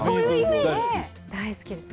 大好きです。